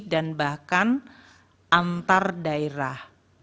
dan bahkan antar daerah